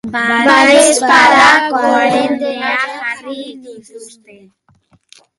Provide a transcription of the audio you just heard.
Badaezpada koarentenan jarri dituzte.